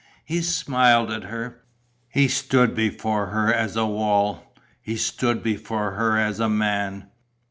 He smiled at her. He stood before her as a wall. He stood before her as a man.